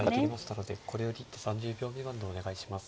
これより一手３０秒未満でお願いします。